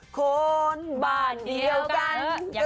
คนบ้านเดียวกัน